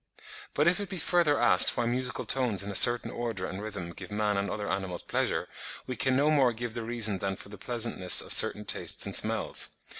But if it be further asked why musical tones in a certain order and rhythm give man and other animals pleasure, we can no more give the reason than for the pleasantness of certain tastes and smells.